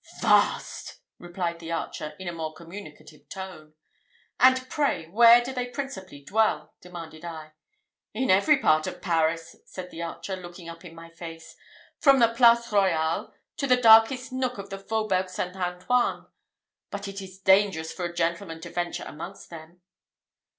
"Vast!" replied the archer, in a more communicative tone. "And pray where do they principally dwell?" demanded I. "In every part of Paris," said the archer, looking up in my face, "from the Place Royale, to the darkest nook of the Fauxbourg St. Antoine. But it is dangerous for a gentleman to venture amongst them."